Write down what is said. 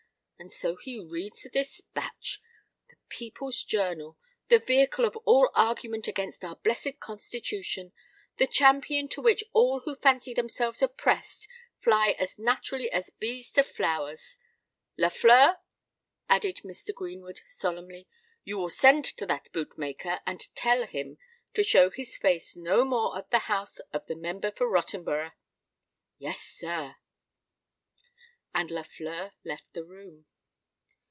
And so he reads the Dispatch—the people's journal—the vehicle of all argument against our blessed constitution—the champion to which all who fancy themselves oppressed, fly as naturally as bees to flowers! Lafleur," added Mr. Greenwood, solemnly, "you will send to that boot maker, and tell him to show his face no more at the house of the Member for Rottenborough." "Yes, sir." And Lafleur left the room.